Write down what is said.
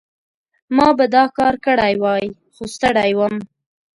ما به دا کار کړی وای، خو ستړی وم.